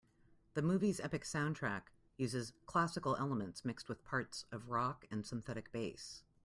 The movie's epic soundtrack uses classical elements mixed with parts of rock and synthetic bass.